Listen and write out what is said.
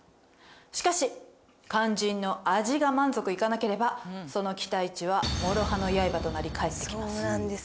しかし肝心の味が満足いかなければその期待値は諸刃の刃となり返ってきます。